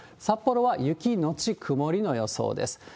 札幌は雪のち曇りの予想です。